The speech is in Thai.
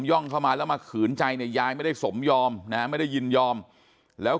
่องเข้ามาแล้วมาขืนใจเนี่ยยายไม่ได้สมยอมนะฮะไม่ได้ยินยอมแล้ว